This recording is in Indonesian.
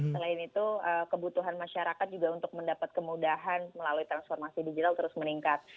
selain itu kebutuhan masyarakat juga untuk mendapat kemudahan melalui transformasi digital terus meningkat